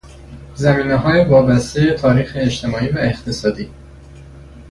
زمینههای وابستهی تاریخ اجتماعی و اقتصادی